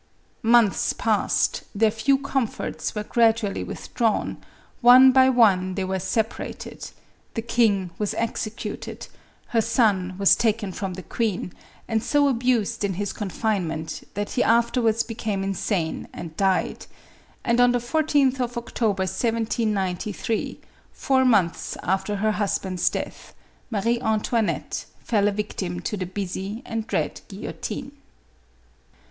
Months passed ; their few comforts were grad ually withdrawn ; one by one they were separated ; the king was executed : her son was taken from the queen, and so abused in his confinement that he after wards became insane and died ; and on the 14th of Oct. 1793, four months after her husband's death, Marie Antoinette fell a victim to the busy and dread guillo tine.